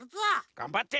がんばって！